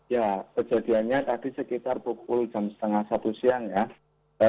ya kejadiannya tadi sekitar pukul jam setengah satu siang ya